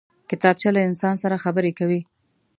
کتابچه له انسان سره خبرې کوي